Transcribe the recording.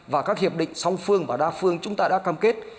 và các hiệp định song phương và đa phương chúng ta đã cam kết